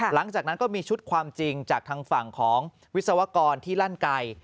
หลังจากนั้นก็มีชุดความจริงจากทางฝั่งของวิศวกรที่ลั่นไก่